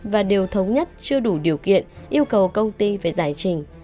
và đều thống nhất chưa đủ điều kiện yêu cầu công ty phải giải trình